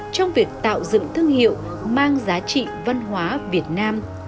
trong việc tạo dựng thương hiệu mang giá trị văn hóa việt nam